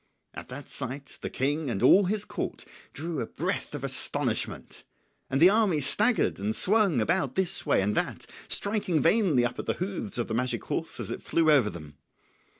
At that sight the King and all his court drew a breath of astonishment, and the army staggered and swung about this way and that, striking vainly up at the hoofs of the magic horse as it flew over them.